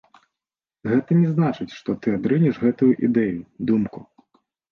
Гэта не значыць, што ты адрынеш гэтую ідэю, думку.